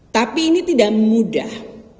tapi ini tidak mudah